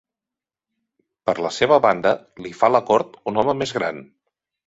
Per la seva banda, li fa la cort un home més gran.